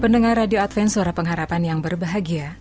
pendengar radio advent suara pengharapan yang berbahagia